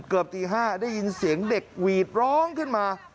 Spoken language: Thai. เกือบตี๕ได้ยินเสียงเด็กหวีดร้องขึ้นมา